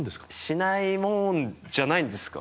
しないもんじゃないんですか？